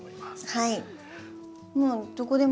はい。